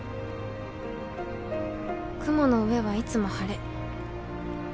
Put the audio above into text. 「雲の上はいつも晴れ」